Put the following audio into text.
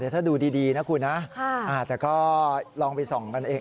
ถ้าดูดีนะคุณนะแต่ก็ลองไปส่องกันเอง